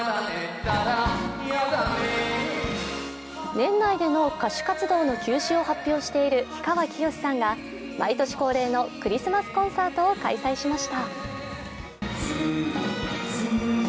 年内での歌手活動の休止を発表している氷川きよしさんが毎年恒例のクリスマスコンサートを開催しました。